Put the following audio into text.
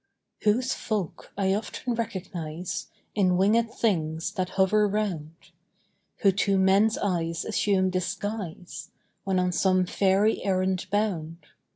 Whose Folk I often recognize In wingéd things that hover round, Who to men's eyes assume disguise When on some Faery errand bound.